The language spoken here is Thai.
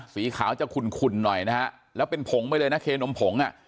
สีขาวจะขุ่นขุ่นหน่อยนะฮะแล้วเป็นผงไปเลยนะเคนมผงอ่ะ